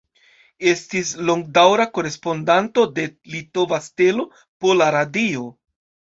Estis longdaŭra korespondanto de "Litova Stelo", Pola Radio.